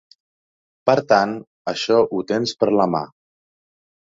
Per tant, això ho tens per la mà.